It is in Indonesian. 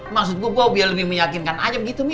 maksud gue gue mau biar lebih meyakinkan aja gitu mir